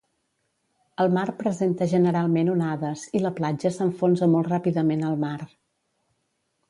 El mar presenta generalment onades i la platja s'enfonsa molt ràpidament al mar.